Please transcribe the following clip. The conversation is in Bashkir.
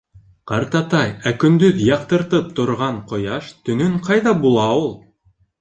— Ҡартатай, ә көндөҙ яҡтыртып торған ҡояш төнөн ҡайҙа була ул?